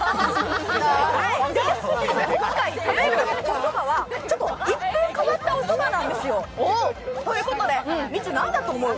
今回食べるおそばは、一風変わったおそばなんですよ。ということで、みちゅ、何だと思う？